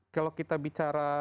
kalau kita bicara